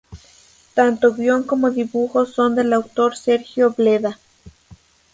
Tanto guion como dibujo son del autor Sergio Bleda.